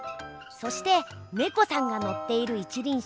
そしてネコさんがのっている一りん